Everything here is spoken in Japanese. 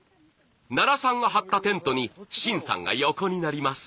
奈良さんが張ったテントに愼さんが横になります。